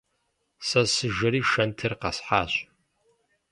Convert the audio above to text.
Сэ сыжэри шэнтыр къэсхьащ.